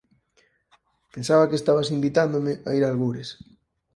Pensaba que estabas invitándome a ir a algures.